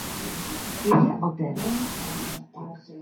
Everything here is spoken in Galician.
Iria Otero.